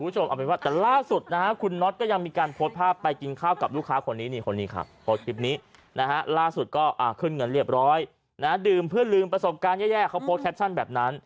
แต่ล่าสุดนะครับคุณน็อตก็ยังมีการโพสต์ภาพไปกินข้าวกับลูกค้าคนนี้ค่ะ